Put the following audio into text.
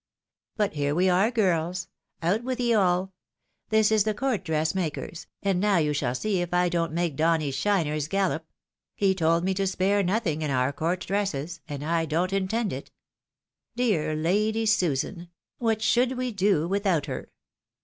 But here we are, girls — out with ye all! this is the court dress maker's, and now you shall see if I don't make Donny's shiners gallop : he told me to spare nothing in our court dresses, and I don't intend it. Dear Lady Susan ! what should we do without her